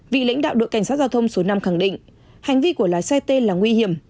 vị lãnh đạo đội cảnh sát giao thông số năm khẳng định hành vi của lái xe tên là nguy hiểm